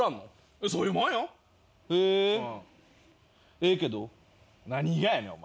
ええけど。何がやねんお前。